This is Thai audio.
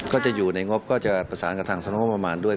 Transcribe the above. ก็จะอยู่ในงบก็จะประสานกับทางสำนักงบประมาณด้วย